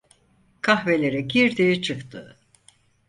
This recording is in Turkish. Kahvelere girdi çıktı…